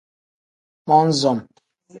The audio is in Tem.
Mon-som.